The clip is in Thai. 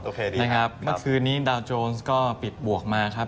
โอเคดีครับนะครับเมื่อคืนนี้ดาวน์โจรสก็ปิดบวกมาครับ